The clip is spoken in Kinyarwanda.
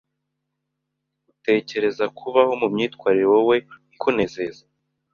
utekerezako kubaho mumyitwarire wowe ikunezeza,